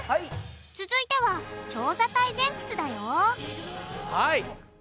続いては長座体前屈だよはい！